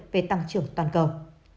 về tăng trưởng toàn cầu